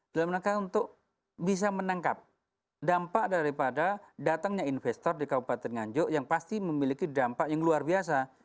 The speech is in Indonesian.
dalam rangka untuk bisa menangkap dampak daripada datangnya investor di kabupaten nganjuk yang pasti memiliki dampak yang luar biasa